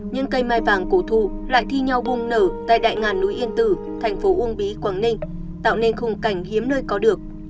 những cây mai vàng cổ thụ lại thi nhau bung nở tại đại ngàn núi yên tử thành phố uông bí quảng ninh tạo nên khung cảnh hiếm nơi có được